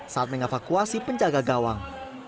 saat mengevakuasi penjaga gawang